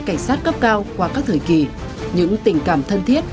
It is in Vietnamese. cảnh sát cấp cao qua các thời kỳ những tình cảm thân thiết